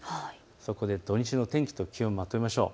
そこで土日の天気と気温をまとめましょう。